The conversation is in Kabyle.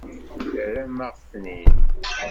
Terram-aɣ-ten-id.